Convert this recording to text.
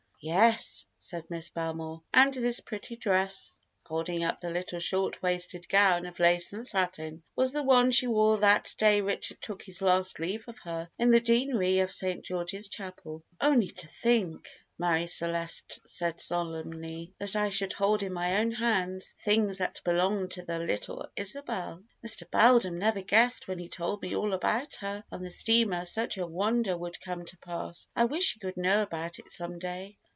"Yes," said Miss Belmore; "and this pretty dress" holding up the little short waisted gown of lace and satin "was the one she wore that day Richard took his last leave of her in the deanery of St. George's Chapel." "Only to think," Marie Celeste said solemnly, "that I should hold in my own hands things that belonged to the little Isabel! Mr. Belden never guessed when he told me all about her on the steamer such a wonder would come to pass. I wish he could know about it some day."